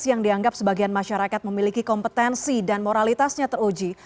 yang dianggap sebagian masyarakat memiliki kompetensi dan moralitasnya teruji